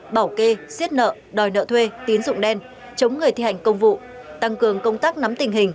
bảo kê xiết nợ đòi nợ thuê tín dụng đen chống người thi hành công vụ tăng cường công tác nắm tình hình